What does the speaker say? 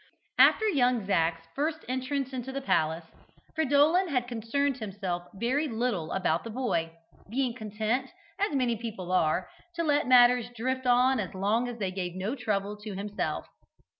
After young Zac's first entrance into the palace, Fridolin had concerned himself very little about the boy, being content, as many people are, to let matters drift on as long as they gave no trouble to himself.